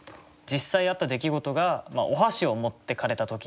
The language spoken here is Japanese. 実際あった出来事がお箸を持ってかれた時。